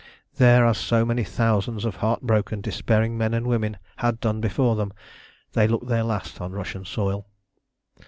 There, as so many thousands of heart broken, despairing men and women had done before them, they looked their last on Russian soil.